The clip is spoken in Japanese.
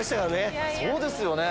そうですよね。